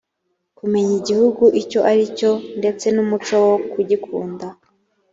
kumenya igihugu icyo ari cyo ndetse n’umuco wo kugikunda